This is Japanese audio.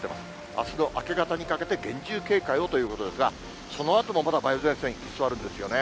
あすの明け方にかけて厳重警戒をということですが、そのあともまだ梅雨前線、居座るんですよね。